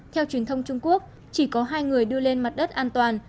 theo truyền thông trung quốc chỉ có hai người đưa lên mặt đất an toàn